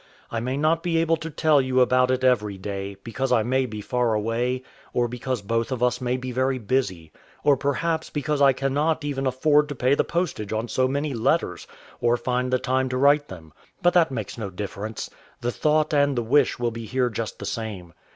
I may not be able to tell you about it every day, because I may be far away; or because both of us may be very busy; or perhaps because I cannot even afford to pay the postage on so many letters, or find the time to write them. But that makes no difference. The thought and the wish will be here just the same.